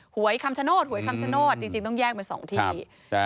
หวยคำชโนธหวยคำชโนธจริงต้องแยกเป็น๒ที่